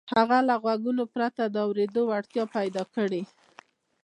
هغه له غوږونو پرته د اورېدو وړتيا پيدا کړي.